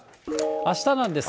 あしたなんですが。